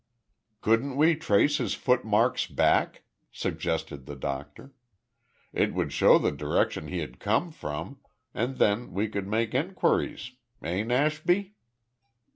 "Couldn't we trace his footmarks back?" suggested the doctor. "It would show the direction he had come from, and then we could make enquiries. Eh, Nashby?"